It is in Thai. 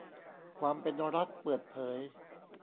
ความเป็นรัฐเปิดเผย